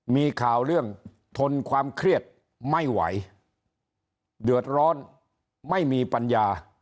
มีข่าวเรื่องทนความเครียดไม่ไหวเดือดร้อนไม่มีปัญญา